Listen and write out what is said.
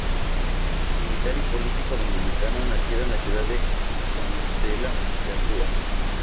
Militar y político dominicano nacido en la ciudad de Compostela de Azua.